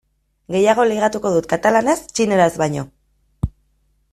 Gehiago ligatuko dut katalanez txineraz baino.